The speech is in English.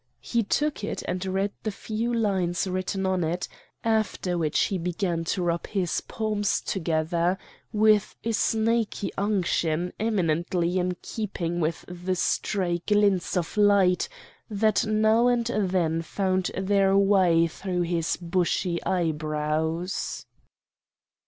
He took it and read the few lines written on it, after which he began to rub his palms together with a snaky unction eminently in keeping with the stray glints of light that now and then found their way through his' bushy eyebrows.